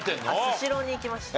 スシローに行きました。